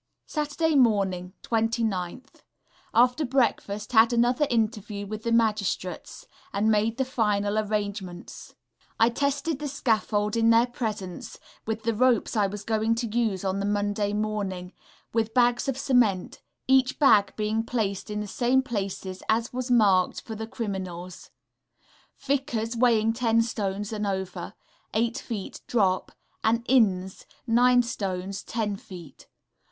Saturday morning, 29th.... After breakfast, had another interview with the Magistrates, and made the final arrangements. I tested the scaffold in their presence, with the ropes I was going to use on the Monday morning, with bags of cement, each bag being placed in the same places as was marked for the criminals; Vickers, weighing 10 stones and over, 8 feet (drop); and Innes, 9 stones, 10 feet.